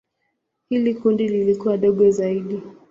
Hili kundi lilikuwa dogo zaidi.